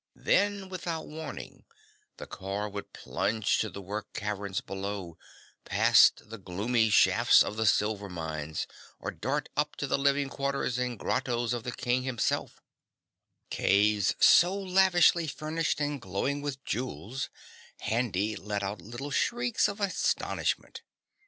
Then without warning the car would plunge to the work caverns below, past the gloomy shafts of the silver mines, or dart up to the living quarters and grottos of the King himself, caves so lavishly furnished and glowing with jewels, Handy let out little shrieks of astonishment.